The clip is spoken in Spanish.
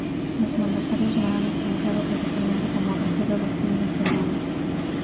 Los mandatarios la han utilizado principalmente como retiro de fin de semana.